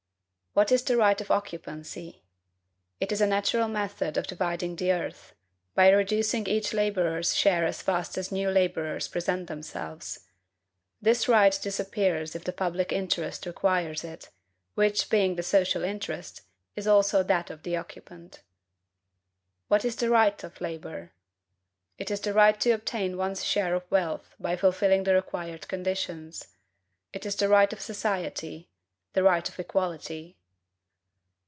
What is the right of occupancy? It is a natural method of dividing the earth, by reducing each laborer's share as fast as new laborers present themselves. This right disappears if the public interest requires it; which, being the social interest, is also that of the occupant. What is the right of labor? It is the right to obtain one's share of wealth by fulfilling the required conditions. It is the right of society, the right of equality.